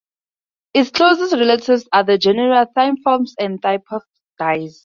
Its closest relatives are the genera "Thymops" and "Thymopides".